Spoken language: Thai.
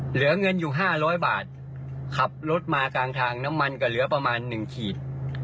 เหลือเงินอยู่๕๐๐บาทขับรถมากลางทางน้ำมันก็เหลือประมาณ๑ขีด